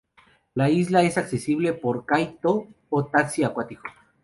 La isla es accesible por kai-to o taxi acuático.